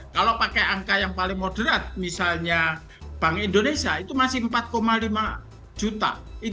kalau pakai angka yang paling moderat misalnya bank indonesia itu masih empat lima juta